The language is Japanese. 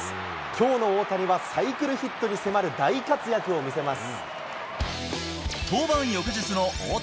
きょうの大谷は、サイクルヒットに迫る大活躍を見せます。